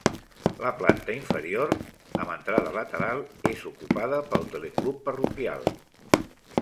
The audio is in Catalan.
La planta inferior, amb entrada lateral, és ocupada pel Teleclub parroquial.